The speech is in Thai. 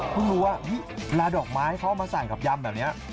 เพิ่งรู้ว่าลาดอกไม้เข้ามาสั่งกับยำแบบนี้